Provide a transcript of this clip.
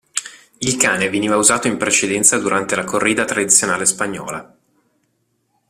Il cane veniva usato in precedenza durante la corrida tradizionale spagnola.